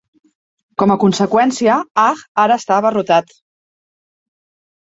Com a conseqüència, Hajj ara està abarrotat.